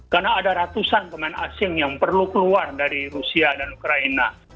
karena ada ratusan pemain asing yang perlu keluar dari rusia dan ukraina